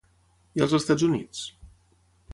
I als Estats Units?